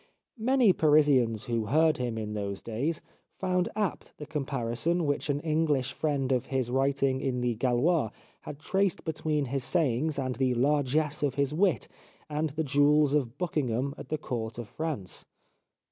" Many Parisians who heard him in those days found apt the comparison which an English friend of his writing in the Gaulois had traced between his sayings and the largesse of his wit and the jewels of Buckingham at the Court of France.